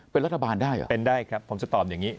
เป็นรัฐบาลได้เหรอเป็นได้ครับผมจะตอบอย่างนี้